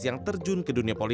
yang terjun ke dunia